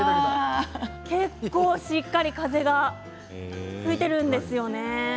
結構しっかり風が吹いているんですよね。